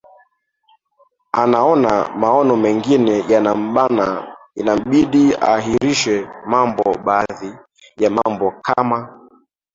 anaona maono mengine yana mbana inambidi aahirishe mambo baadhi ya mambo kama